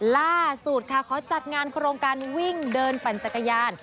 ล่าสุดค่ะขอจัดงานโครงการวิ่งเดินปั่นจักรยาน